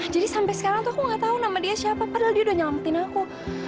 jadi sampai sekarang tuh aku gak tahu nama dia siapa padahal dia udah nyelamatin aku